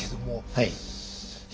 はい。